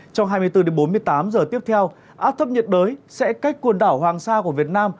trong hai mươi bốn đến bốn mươi tám giờ tiếp theo áp thấp nhiệt đới sẽ cách quần đảo hoàng sa của việt nam